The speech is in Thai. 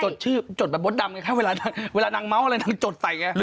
ชื่อจดแบบมดดำไงคะเวลานางเมาส์อะไรนางจดใส่ไง